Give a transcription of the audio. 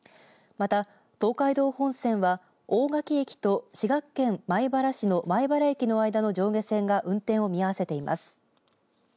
また東海道本線は大垣駅と滋賀県米原市の米原駅の間の上下線が運転を見合わせています。